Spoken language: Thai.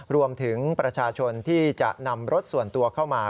รวมถึงประชาชนที่จะนำรถส่วนตัวเข้ามา